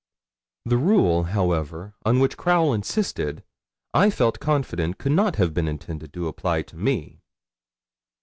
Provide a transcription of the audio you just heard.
The rule, however, on which Crowle insisted I felt confident could not have been intended to apply to me.